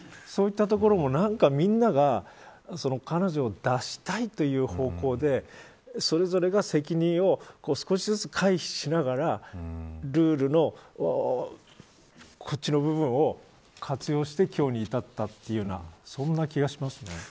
そういったところも、みんなが彼女を出したいという方向でそれぞれが責任を少しずつ回避しながらルールのこっちの部分を活用して今日に至ったというようなそんな気がしますね。